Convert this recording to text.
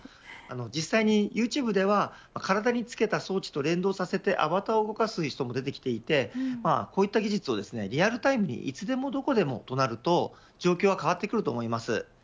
実際にユーチューブでは体に着けた装置を連動させてアバターを動かす人が出てきていてこういった技術をリアルタイムにいつでもどこでもとなると状況は変わってくると思います。